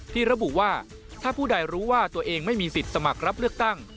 ที่ระบุว่าถ้าผู้ใดรู้ว่าตัวเองไม่มีสิทธิ์สมัครรับเลือกตั้ง